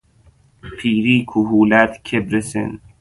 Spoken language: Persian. پیری، کهولت، کبر سن